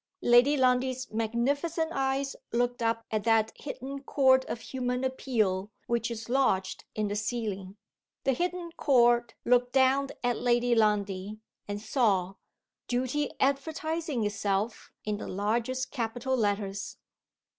Lady Lundie's magnificent eyes looked up at that hidden court of human appeal which is lodged in the ceiling. The hidden court looked down at Lady Lundie, and saw Duty advertising itself in the largest capital letters.